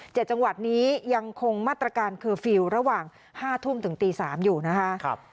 จังหวัดนี้ยังคงมาตรการเคอร์ฟิลล์ระหว่างห้าทุ่มถึงตีสามอยู่นะคะ